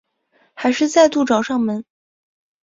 还是再度找上门